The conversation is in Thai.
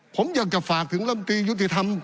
ผมอยากจะฝากถึงลำตียุติธรรม